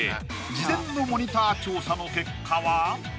事前のモニター調査の結果は？